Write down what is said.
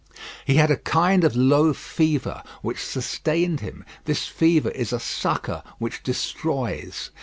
He had a kind of low fever, which sustained him; this fever is a succour which destroys.